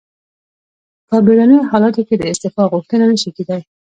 په بیړنیو حالاتو کې د استعفا غوښتنه نشي کیدای.